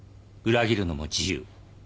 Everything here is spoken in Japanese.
裏切るのも自由。